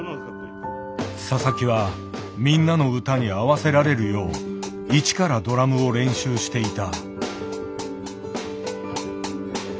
佐々木はみんなの歌に合わせられるよう一からドラムを練習していた。